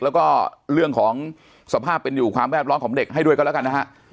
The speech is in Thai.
แล้วก็เรื่องของสภาพเป็นอยู่ความแวดล้อมของเด็กให้ด้วยก็แล้วกันนะฮะ